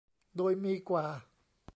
โดยมีกว่า